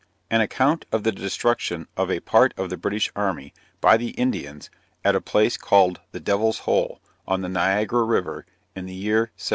An account of the destruction of a part of the British Army, by the Indians, at a place called the Devil's Hole, on the Niagara River, in the year 1763.